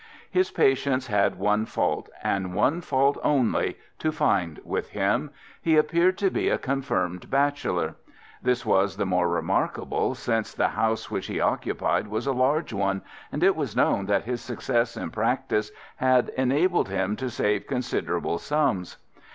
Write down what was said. His patients had one fault—and one fault only—to find with him. He appeared to be a confirmed bachelor. This was the more remarkable since the house which he occupied was a large one, and it was known that his success in practice had enabled him to save considerable sums.